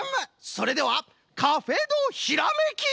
それでは「カフェドひらめき」！